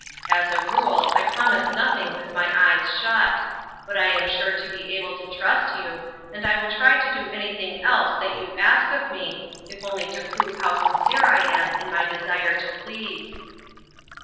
"As a rule, I promise nothing with my eyes shut ; but I am sure to be able to trust you, and I will try to do anything else that you ask of me, if only to prove how sincere I am in my desire to please."